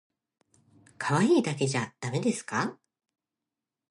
かわいいだけじゃだめですか？